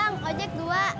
bang ojek dua